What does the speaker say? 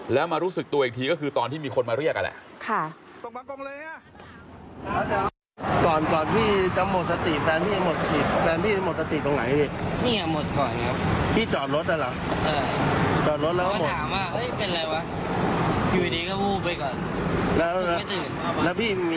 แล้วมารู้สึกตัวอีกทีก็คือตอนที่มีคนมาเรียกกันแหละ